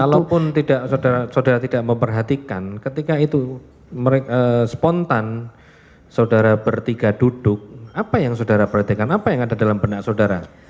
kalaupun tidak saudara tidak memperhatikan ketika itu spontan saudara bertiga duduk apa yang saudara perhatikan apa yang ada dalam benak saudara